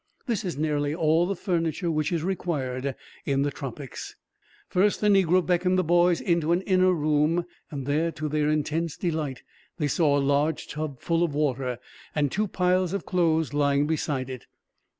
This is nearly all the furniture which is required, in the tropics. First the negro beckoned the boys into an inner room, and there, to their intense delight, they saw a large tub full of water, and two piles of clothes lying beside it.